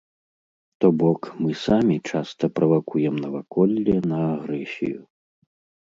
То бок, мы самі часта правакуем наваколле на агрэсію.